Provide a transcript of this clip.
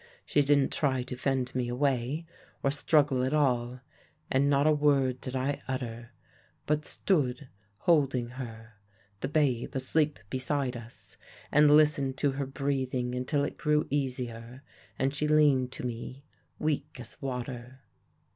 She didn't try to fend me away, or struggle at all, and not a word did I utter, but stood holding her the babe asleep beside us and listened to her breathing until it grew easier, and she leaned to me, weak as water.